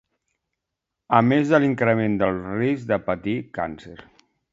A més de l'increment del risc de patir càncer.